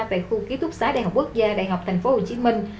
tại khu ký túc xá đại học quốc gia đại học thành phố hồ chí minh